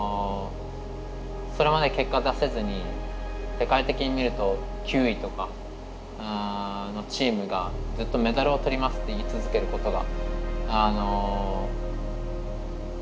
それまで結果出せずに世界的に見ると９位とかのチームがずっと「メダルをとります」って言い続けることが。